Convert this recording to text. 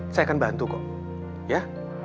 saya akan bantu kok ya